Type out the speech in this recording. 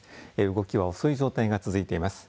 動きは遅い状態が続いております。